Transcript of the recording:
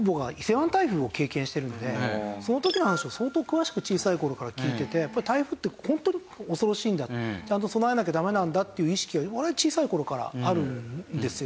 その時の話を相当詳しく小さい頃から聞いててやっぱり台風ってホントに恐ろしいんだちゃんと備えなきゃダメなんだっていう意識は小さい頃からあるんですよ。